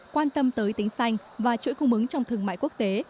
quan tâm tới tính xanh và chuỗi cung ứng trong thương mại quốc tế